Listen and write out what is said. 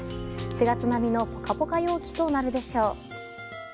４月並みのポカポカ陽気となるでしょう。